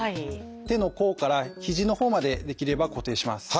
手の甲から肘のほうまでできれば固定します。